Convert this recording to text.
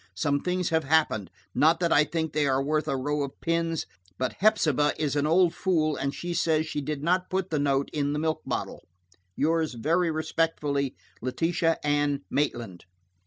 Some things have happened, not that I think they are worth a row of pins, but Hepsibah is an old fool, and she says she did not put the note in the milk bottle. "Yours very respectfully, "LETITIA ANN MAITLAND."